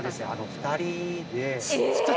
２人で？